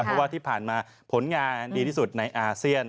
เพราะว่าที่ผ่านมาผลงานดีที่สุดในอาเซียน